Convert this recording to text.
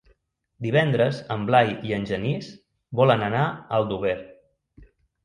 Divendres en Blai i en Genís volen anar a Aldover.